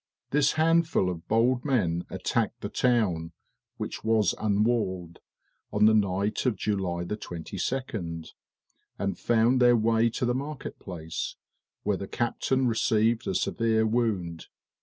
This handful of bold men attacked the town, which was unwalled, on the night of July 22d, and found their way to the marketplace, where the captain received a severe wound.